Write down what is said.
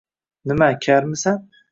“Nima karmisan?”